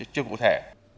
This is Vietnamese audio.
chưa cụ thể